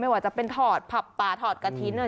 ว่าจะเป็นถอดผับปลาถอดกระทิ้น